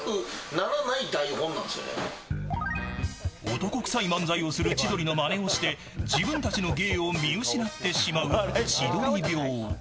男臭い漫才をする千鳥のまねをして自分たちの芸を見失ってしまう千鳥病。